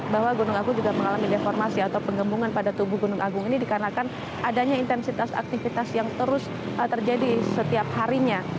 bahwa gunung agung juga mengalami deformasi atau penggembungan pada tubuh gunung agung ini dikarenakan adanya intensitas aktivitas yang terus terjadi setiap harinya